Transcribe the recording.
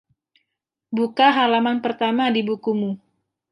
Buka halaman pertama di bukumu.